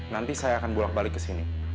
nanti saya akan bulat balik kesini